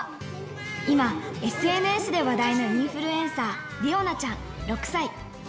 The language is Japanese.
今、ＳＮＳで話題のインフルエンサー、理央奈ちゃん６歳。